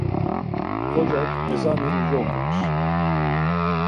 Xocak ezani ucoxums.